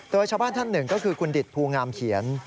โดยชาวบ้านท่านหนึ่งก็คือคุณดิตภูงามเขียน